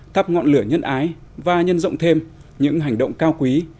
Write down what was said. thắp ngọn lửa nhân ái và nhân rộng thêm những hành động cao quý